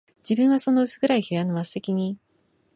自分はその薄暗い部屋の末席に、